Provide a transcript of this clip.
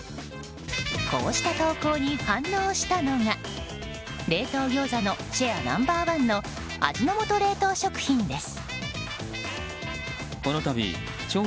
こうした投稿に反応したのが冷凍ギョーザのシェアナンバー１の味の素冷凍食品です。